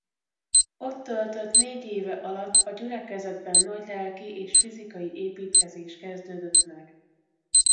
Ott töltött négy éve alatt a gyülekezetben nagy lelki és fizikai építkezés kezdődött meg.